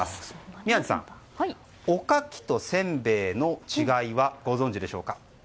宮司さん、おかきとせんべいの違いはご存知でしょうか。